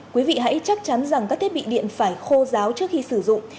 quý vị hãy chắc chắn rằng các thiết bị điện phải khô giáo trước khi sử dụng